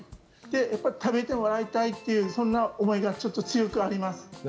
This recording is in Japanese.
やっぱ食べてもらいたいっていうそんな思いがちょっと強くあります。